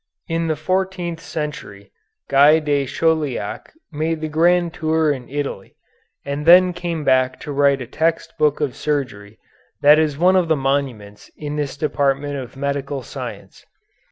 In the fourteenth century Guy de Chauliac made the grand tour in Italy, and then came back to write a text book of surgery that is one of the monuments in this department of medical science.